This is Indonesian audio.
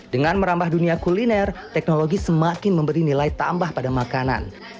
dengan merambah dunia kuliner teknologi semakin memberi nilai tambah pada makanan